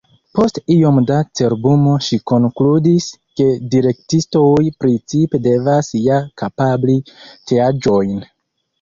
Post iom da cerbumo ŝi konkludis, ke direktistoj principe devas ja kapabli tiaĵojn.